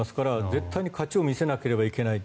絶対に勝ちを見せなければいけない。